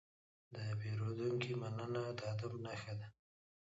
د پیرودونکي مننه د ادب نښه ده.